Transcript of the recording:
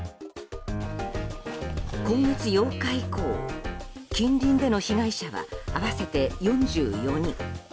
今月８日以降、近隣での被害者は合わせて４４人。